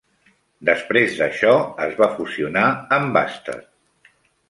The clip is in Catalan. Després d'això es va fusionar amb Buster.